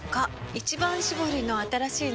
「一番搾り」の新しいの？